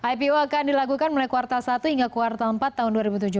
ipo akan dilakukan mulai kuartal satu hingga kuartal empat tahun dua ribu tujuh belas